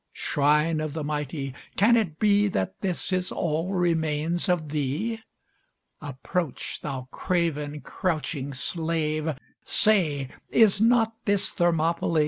Shrine of the mighty! can it be That this is all remains of thee? Approach, thou craven crouching slave: Say, is not this Thermopylæ?